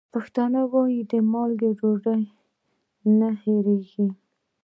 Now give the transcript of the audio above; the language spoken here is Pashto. پښتانه وايي: د مالګې ډوډۍ نه هېرېږي.